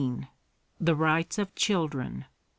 THE BIGHTS OF CHILDREN.